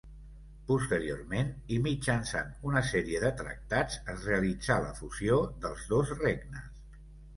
Posteriorment, i mitjançant una sèrie de tractats es realitzà la fusió dels dos regnes.